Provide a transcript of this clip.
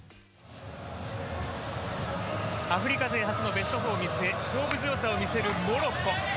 アフリカ勢初のベスト４に向け勝負強さを見せるモロッコ。